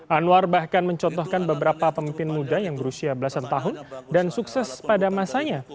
anwar bahkan mencontohkan beberapa pemimpin muda yang berusia belasan tahun dan sukses pada masanya